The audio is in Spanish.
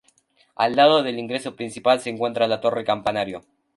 Al lado del ingreso principal se encuentra la torre-campanario.